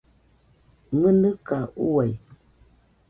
¡Mɨnɨka uai!